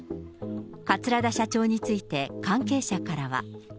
桂田社長について、関係者からは。